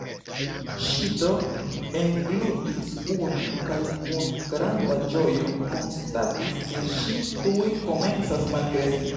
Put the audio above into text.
Ŝi do englutis unu, kaj kun granda ĝojo konstatis ke ŝi tuj komencas malkreski.